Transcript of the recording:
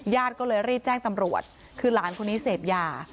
ญาติก็เลยรีบแจ้งตำรวจคือหลานคนนี้เสพยา